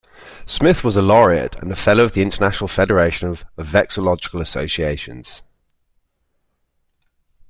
Smith was a Laureate and a Fellow of the International Federation of Vexillological Associations.